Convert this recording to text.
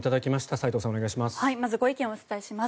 斎藤さん、お願いします。